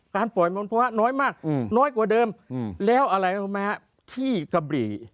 การปล่อยมนตร์ภาวะน้อยมากน้อยกว่าเดิมแล้วอะไรเอามาที่กบรี